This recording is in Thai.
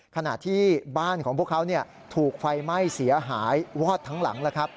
ขณะที่บ้านของพวกเขาถูกไฟไหม้เสียหายวอดทั้งหลังแล้วครับ